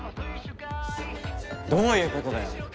どういうことだよ。